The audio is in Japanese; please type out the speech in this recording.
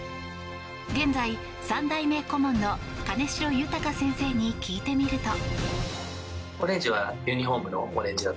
現在、３代目顧問の兼城裕先生に聞いてみると。